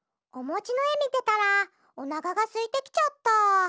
おもちのえみてたらおなかがすいてきちゃった。